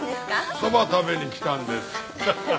そば食べに来たんです。